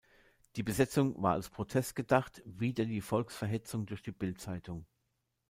Die Besetzung war als Protest gedacht „wider die Volksverhetzung durch die Bild-Zeitung“.